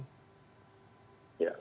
ya selamat siang